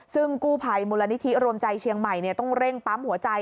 ซึ่งกู้ภัยมูลนิธิรวมใจเชียงใหม่ต้องเร่งปั๊มหัวใจ